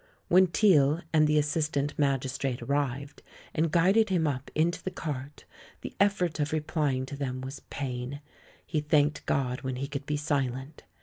When Teale and the assistant magistrate arrived, and guided him up into the "cart," the effort of replying to them was pain. He thanked God when he could be silent.